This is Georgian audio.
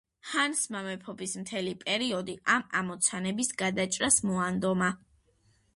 ჰანსმა მეფობის მთელი პერიოდი ამ ამოცანების გადაჭრას მოანდომა.